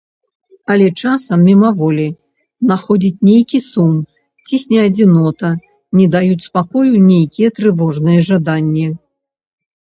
Але часам, мімаволі, находзіць нейкі сум, цісне адзінота, не даюць спакою нейкія трывожныя жаданні.